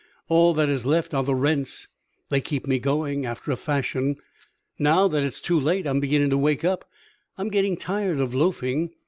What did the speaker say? All that is left are the rents; they keep me going, after a fashion. Now that it is too late, I'm beginning to wake up; I'm getting tired of loafing.